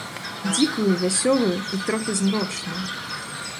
Дзікую, вясёлую і трохі змрочную.